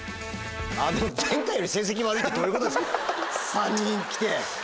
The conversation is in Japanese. ３人来て。